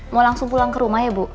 mau langsung pulang ke rumah ya bu